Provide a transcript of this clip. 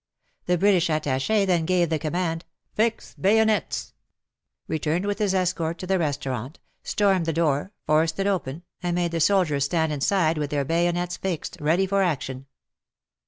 The British Attach^ then gave the command " Fix Bayonets," returned with his escort to the restaurant, stormed the door, forced it open, and made the soldiers stand inside with their bayonets fixed, ready for action.